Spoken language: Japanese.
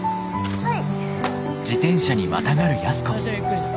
はい。